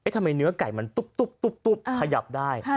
ทำไมเนื้อไก่มันตุ๊บขยับได้